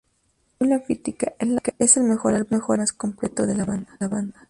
Según la crítica, es el mejor álbum y más completo de la banda.